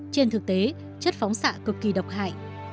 trong thế chất phóng xạ cực kỳ độc hại